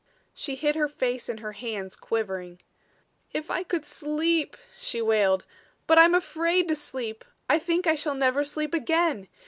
She hid her face in her hands, quivering. "If I could sleep," she wailed. "But I'm afraid to sleep. I think I shall never sleep again.